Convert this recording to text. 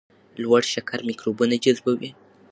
لوړ شکر میکروبونه جذبوي.